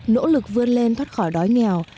nỗ lực vươn lên thoát khỏi đói nghèo